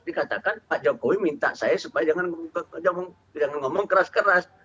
dikatakan pak jokowi minta saya supaya jangan ngomong keras keras